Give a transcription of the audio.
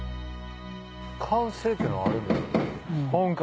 完成っていうのはあるんですか？